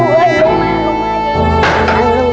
ว่าคราวนี้ก็ยังมีลูกไอ้ลูก